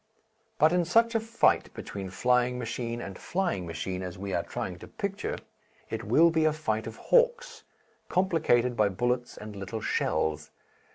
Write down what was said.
But in such a fight between flying machine and flying machine as we are trying to picture, it will be a fight of hawks, complicated by bullets and little shells.